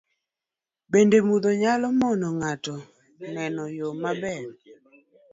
Bende, mudho nyalo mono ng'ato neno yo maber